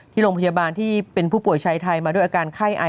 ที่โรงพยาบาลที่เป็นผู้ป่วยชายไทยมาด้วยอาการไข้ไอ